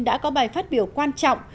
đã có bài phát biểu quan trọng